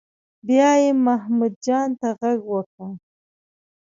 بیا یې محمود جان ته غږ وکړ.